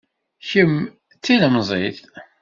Kemm d tilemẓit